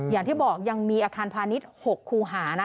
อย่างที่บอกยังมีอาคารพาณิชย์๖คูหานะ